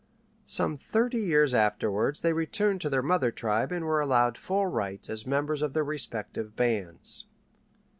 Some thirty years afterward they returned to their mother tribe and were allowed full rights as members of their respective bands.